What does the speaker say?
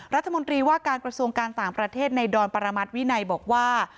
รัฐมนตรีว่าการกระทรวงการต่างประเทศในดอนปรมัติวินัยบอกว่า